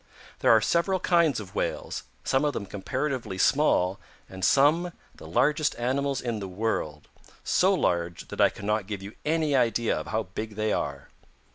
There are several kinds of Whales, some of them comparatively small and some the largest animals in the world, so large that I cannot give you any idea of how big they are.